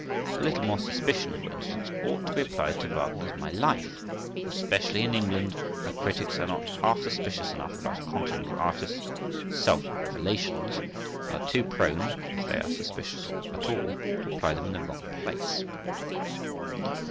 A little more suspicion, for instance, ought to be applied to Wagner's My Life, especially in England, where critics are not half suspicious enough about a continental artist's self revelations, and are too prone, if they have suspicions at all, to apply them in the wrong place.